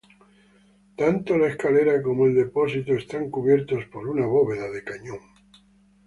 Tanto la escalera como el depósito están cubiertos por una bóveda de cañón.